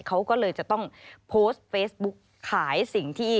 เค้าก็เลยจะต้องพโพส